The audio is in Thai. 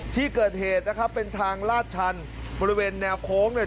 ที่เกิดเหตุนะครับเป็นทางลาดชันบริเวณแนวโค้งเนี่ย